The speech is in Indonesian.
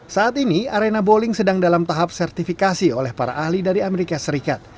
saat ini arena bowling sedang dalam tahap sertifikasi oleh para ahli dari amerika serikat